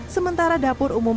sementara dapur umumnya